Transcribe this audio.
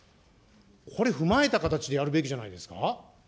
これ踏まえた形でやるべきじゃないですか。